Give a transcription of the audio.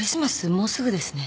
もうすぐですね。